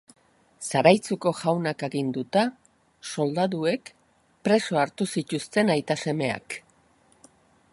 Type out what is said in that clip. Zaraitzuko jaunak aginduta, soldaduek preso hartu zituzten aita-semeak.